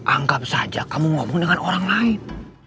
anggap saja kamu ngomong dengan orang lain